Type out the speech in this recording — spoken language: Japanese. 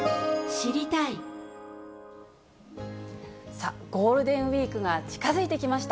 さあ、ゴールデンウィークが近づいてきました。